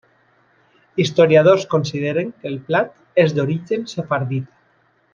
Historiadors consideren que el plat és d'origen sefardita.